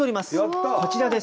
こちらです。